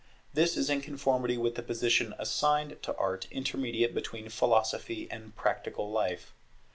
This is in conformity with the position assigned to Art intermediate between Philosophy and Practical life.